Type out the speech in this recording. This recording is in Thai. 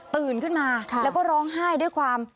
ตื่นขึ้นมาแล้วก็ร้องไห้ด้วยความ